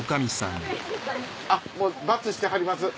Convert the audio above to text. もうバツしてはります。